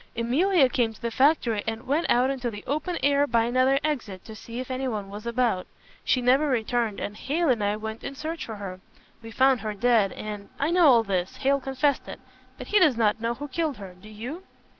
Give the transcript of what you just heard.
Emilia came to the factory and went out into the open air by another exit to see if anyone was about. She never returned and Hale and I went in search of her. We found her dead, and " "I know all this. Hale confessed it. But he does not know who killed her. Do you?"